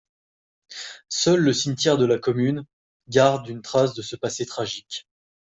Seul le cimetière de la commune garde une trace de ce passé tragique.